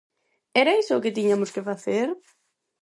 ¿Era iso o que tiñamos que facer?